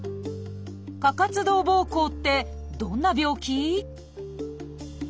「過活動ぼうこう」ってどんな病気？